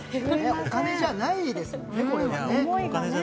お金じゃないですね。